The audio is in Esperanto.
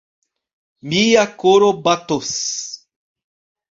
Mia koro batos!